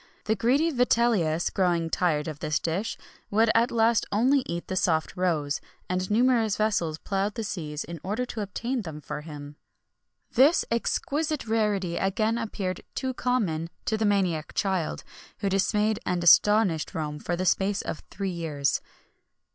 The greedy Vitellius, growing tired of this dish, would at last only eat the soft roes: and numerous vessels ploughed the seas in order to obtain them for him.[XXI 66] This exquisite rarity again appeared too common to the maniac child, who dismayed and astonished Rome for the space of three years.